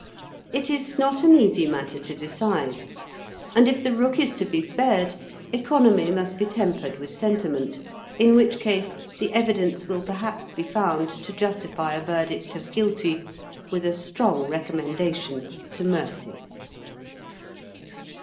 It is not an easy matter to decide; and, if the rook is to be spared, economy must be tempered with sentiment, in which case the evidence will perhaps be found to justify a verdict of guilty, with a strong recommendation to mercy.